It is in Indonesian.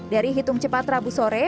dari hitung cepat rabu sore